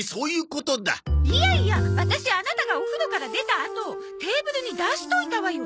いやいやワタシアナタがお風呂から出たあとテーブルに出しといたわよ。